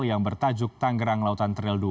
yang bertajuk tanggerang lautan trail dua